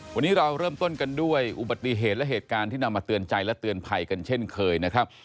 วันนี้เราเริ่มต้นกันด้วยอุบัติเหตุและเหตุการณ์ที่นำมาเตือนใจและเตือนภัยกันเช่นเคยนะครับ